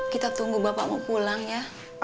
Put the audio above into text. kita tunggu bapak mau pulang ya